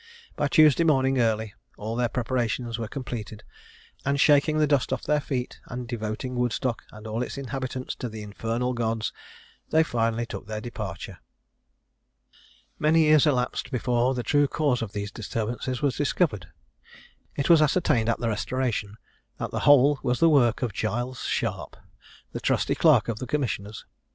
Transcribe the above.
By Tuesday morning early, all their preparations were completed; and shaking the dust off their feet, and devoting Woodstock and all its inhabitants to the infernal gods, they finally took their departure. Many years elapsed before the true cause of these disturbances was discovered. It was ascertained, at the Restoration, that the whole was the work of Giles Sharp, the trusty clerk of the commissioners.